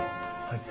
はい。